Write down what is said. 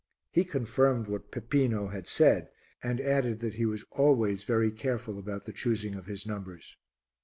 He confirmed what Peppino had said and added that he was always very careful about the choosing of his numbers.